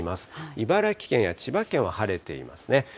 茨城県や千葉県は晴れていますね。